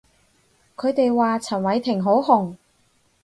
佢哋話陳偉霆好紅